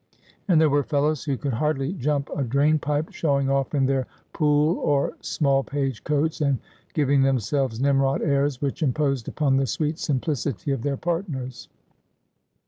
And there were fellows who could hardly jump a drain pipe showing off in their Poole or Smallpage coats, and giving themselves Nimrod airs which imposed upon the sweet simplicity of their partners.